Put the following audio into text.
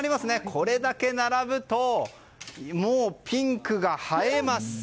これだけ並ぶともうピンクが映えます。